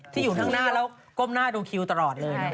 อยู่ข้างหน้าแล้วก้มหน้าดูคิวตลอดเลย